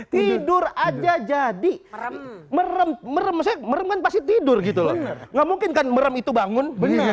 tidur aja jadi merem merem merem merem pasti tidur gitu nggak mungkin kan merem itu bangun